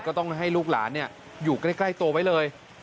ก็ต้องให้ลูกหลานอยู่ใกล้ตัวไว้เลย